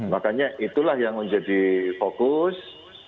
makanya itulah yang menjadi fokus